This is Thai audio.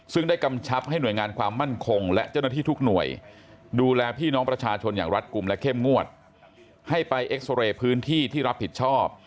ซึ่งได้กำชับให้หน่วยงานความมั่นคงและเจ้าหน้าที่ทุกหน่วยดูแลพี่น้องประชาชนอย่างรัฐกลุ่มและเข้มงวดให้ไปเอ็กซอเรย์พื้นที่ที่รับผิดชอบ